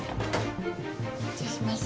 失礼します。